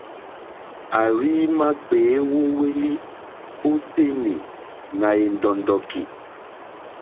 A rziima gbèe wo hwelì o tenì nà è ndɔ̀ndɔ̀ki.